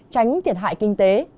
tránh thiệt hại kinh tế